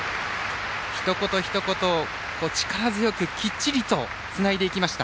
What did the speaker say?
ひと言ひと言、力強くきっちりとつないでいきました。